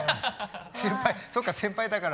先輩そっか先輩だから。